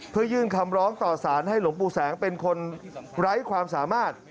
เพื่อยื่นคำร้องต่อสารให้หลวงปู่แสงเป็นคนไร้ความสามารถ